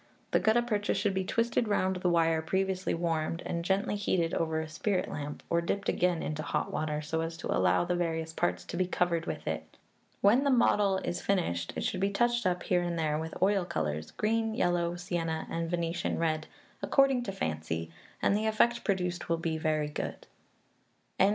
The gutta percha should be twisted round the wire previously warmed, and gently heated over a spirit lamp, or dipped again into hot water, so as to allow the various parts to be covered with it. When the model is finished, it should be touched up here and there with oil colours green, yellow, sienna, and Venetian red according to fancy, and the effect produced will be very good. 2384. Dr.